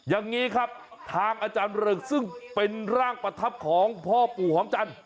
อย่างนี้ครับทางอาจารย์เริงซึ่งเป็นร่างประทับของพ่อปู่หอมจันทร์